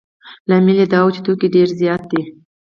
لامل یې دا دی چې توکي ډېر زیات دي